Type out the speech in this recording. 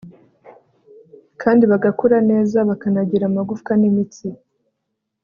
kandi bagakura neza bakanagira amagufwa n'imitsi